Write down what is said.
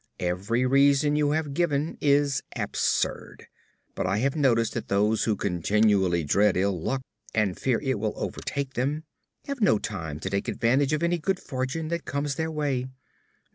"Every reason you have given is absurd. But I have noticed that those who continually dread ill luck and fear it will overtake them, have no time to take advantage of any good fortune that comes their way.